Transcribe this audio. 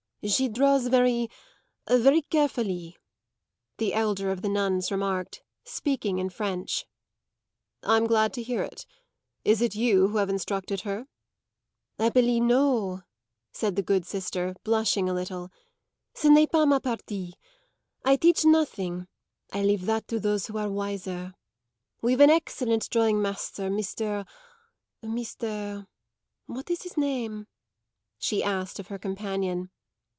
"She draws very very carefully," the elder of the nuns remarked, speaking in French. "I'm glad to hear it. Is it you who have instructed her?" "Happily no," said the good sister, blushing a little. "Ce n'est pas ma partie. I teach nothing; I leave that to those who are wiser. We've an excellent drawing master, Mr. Mr. what is his name?" she asked of her companion.